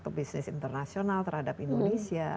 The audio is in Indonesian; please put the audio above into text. atau bisnis internasional terhadap indonesia